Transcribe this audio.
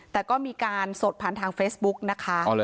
แต่ก็มีการสดผ่านทางเฟซบุ๊กนะคะ